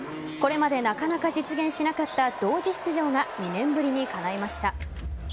これまでなかなか実現しなかった同時出場が２年ぶりにかないました。